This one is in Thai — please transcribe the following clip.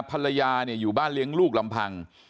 ภรรยาอยู่บ้านเลี้ยงลูกลำพัง